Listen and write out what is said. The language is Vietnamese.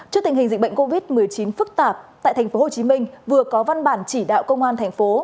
trước tình hình dịch bệnh covid một mươi chín phức tạp tại tp hcm vừa có văn bản chỉ đạo công an thành phố